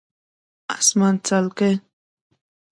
🦇 اسمان څلکي